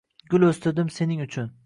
Gul o‘stirdim sening uchun